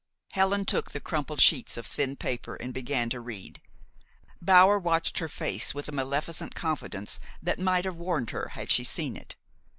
Helen took the crumpled sheets of thin paper and began to read. Bower watched her face with a maleficent confidence that might have warned her had she seen it.